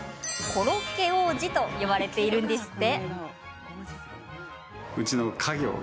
コロッケ王子と呼ばれているんですって。